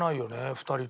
２人とも。